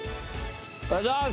お願いします。